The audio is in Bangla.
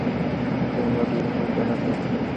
ওকে, আমরা দুজন এখানে থাকব।